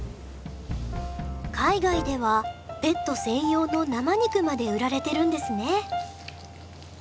海外ではペット専用の生肉まで売られてるんですね。